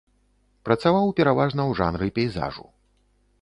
Працаваў пераважна ў жанры пейзажу.